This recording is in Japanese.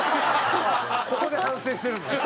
ここで反省してるんだ。